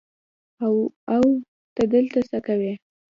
او او ته دلته څه کوې.